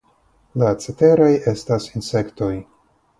La ceteraj estas insektoj.